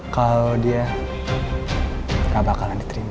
kalau dia gak bakalan diterima